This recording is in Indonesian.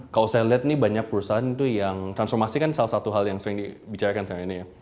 kalau saya lihat nih banyak perusahaan itu yang transformasi kan salah satu hal yang sering dibicarakan saat ini ya